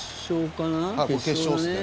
決勝ですね。